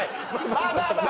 まあまあまあ。